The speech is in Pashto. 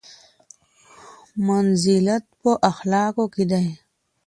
منزلت په اخلاقو کې دی.